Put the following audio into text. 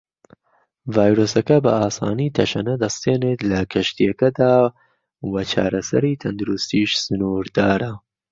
ڤایرۆسەکە بە ئاسانی تەشەنە دەستێنێت لە کەشتییەکەدا وە چارەسەری تەندروستیش سنوردارە.